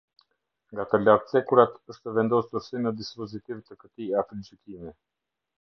Nga të lartëcekurat është vendosur si në dispozitiv të këtij aktgjykimi.